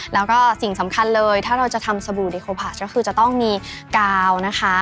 แล้วก็สิ่งสำคัญเลยถ้าเราจะทำสบู่ดีโคผะก็คือจะต้องมีกาวนะคะ